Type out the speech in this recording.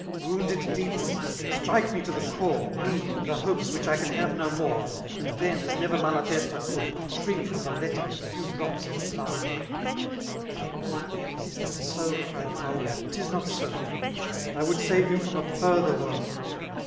woimd it deepest} strike me to tlie ooiie> ^< Me^ and the hopes which I ean hare oo mcnre, And then^ as never Malatesta could^ Shrink from the letting a few drops of blood }«*^ It is not SQ^*' cried Pxnlo^ 'tis not so; *^ But I would save you from a further woe.'